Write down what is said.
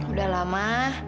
udah lah ma